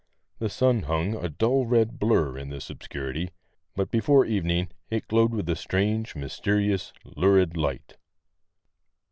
The sun hung, a dull red blur in this obscurity ; but before evening it glowed with strange, mysterious, lurid light.